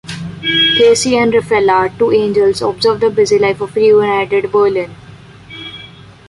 Cassiel and Raphaella, two angels, observe the busy life of reunited Berlin.